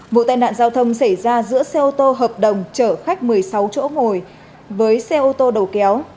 vụ tai nạn giao thông xảy ra giữa xe ô tô hợp đồng chở khách một mươi sáu chỗ ngồi với xe ô tô đầu kéo